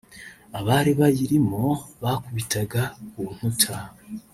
abari bayirimo bakubitaga ku nkuta